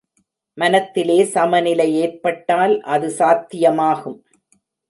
மனத்திலே சமநிலை ஏற்பட்டால் அது சாத்தியமாகும்.